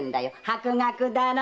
博学だろ？